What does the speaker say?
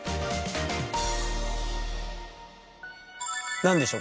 何でしょう？